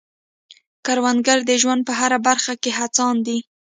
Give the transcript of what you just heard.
کروندګر د ژوند په هره برخه کې هڅاند دی